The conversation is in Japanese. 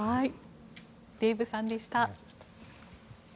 デーブさんでした。